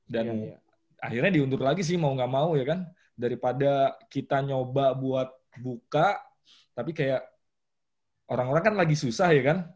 dan akhirnya diundur lagi sih mau nggak mau ya kan daripada kita nyoba buat buka tapi kayak orang orang kan lagi susah ya kan